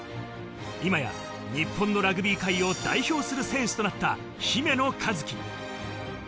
今や、日本のラグビー界を代表する選手となった姫野和樹。